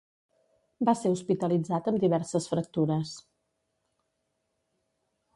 Va ser hospitalitzat amb diverses fractures.